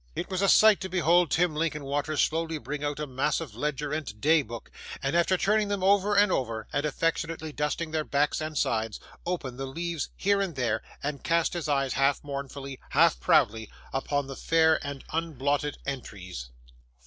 It was a sight to behold Tim Linkinwater slowly bring out a massive ledger and day book, and, after turning them over and over, and affectionately dusting their backs and sides, open the leaves here and there, and cast his eyes, half mournfully, half proudly, upon the fair and unblotted entries.